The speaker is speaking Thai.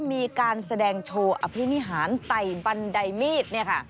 มีการแสดงโชว์อภินิหารไต่บันไดมีดเนี่ยค่ะ